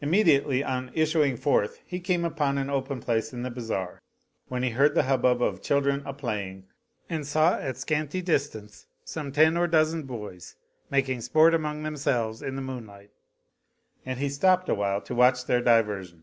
Immediately on issuing forth he came upon an open place in the Bazar when he heard the hubbub of children a playing and saw 9X scanty distance some ten or dozen boys making sport among themselves in the moonlight ; and he stopped awhile to watch their diversion.